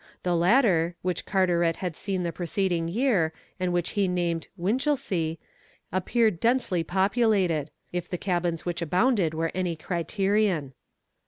The latter, which Carteret had seen the preceding year, and which he named Winchelsea, appeared densely populated if the cabins which abounded were any criterion.